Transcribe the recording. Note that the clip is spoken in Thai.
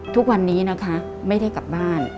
ทุกวันนี้นะคะไม่ได้กลับบ้าน